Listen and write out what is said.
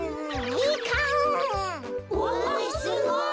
おすごい。